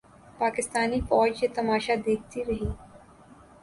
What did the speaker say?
پاکستانی فوج یہ تماشا دیکھتی رہی۔